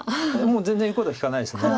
もう全然言うこと聞かないですよね。